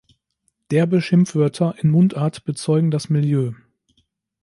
Derbe Schimpfwörter in Mundart bezeugen das Milieu.